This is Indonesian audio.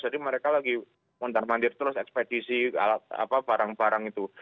jadi mereka lagi muntah mandir terus ekspedisi barang barang itu